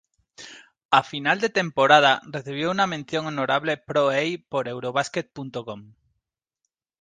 A final de temporada, recibió una "mención honorable" Pro A por "Eurobasket.com".